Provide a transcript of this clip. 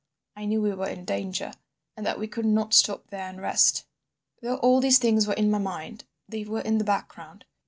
I knew we were in danger, and that we could not stop there and rest! "Though all these things were in my mind, they were in the background.